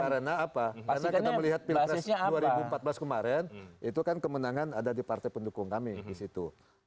karena apa karena kita melihat pilpres dua ribu empat belas kemarin itu kan kemenangan ada di partai pendukung kami disitu